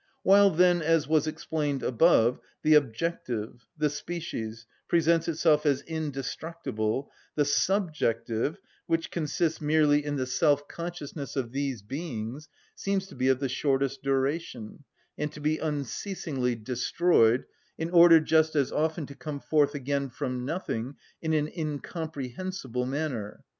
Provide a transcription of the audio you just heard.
While, then, as was explained above, the objective, the species, presents itself as indestructible, the subjective, which consists merely in the self‐consciousness of these beings, seems to be of the shortest duration, and to be unceasingly destroyed, in order, just as often, to come forth again from nothing in an incomprehensible manner.